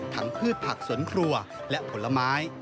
พืชผักสวนครัวและผลไม้